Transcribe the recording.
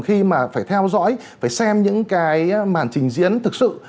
khi mà phải theo dõi phải xem những cái màn trình diễn thực sự